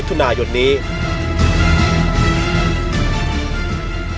ติดตามได้ในไทยรัฐนิวส์โชว์๓๐พฤษภาคม